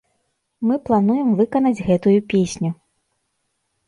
Мы плануем выканаць гэтую песню.